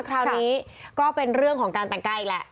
คราวนี้ก็เป็นเรื่องของการแต่งกายอีกแหละ